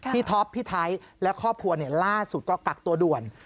ท็อปพี่ไทยและครอบครัวล่าสุดก็กักตัวด่วน